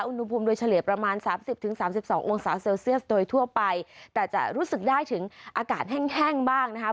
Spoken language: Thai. อุณหภูมิโดยเฉลี่ยประมาณ๓๐๓๒องศาเซลเซียสโดยทั่วไปแต่จะรู้สึกได้ถึงอากาศแห้งบ้างนะคะ